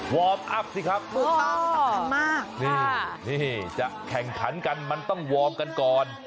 วอร์มอัพสิครับถูกต้องสำคัญมากนี่นี่จะแข่งขันกันมันต้องวอร์มกันก่อน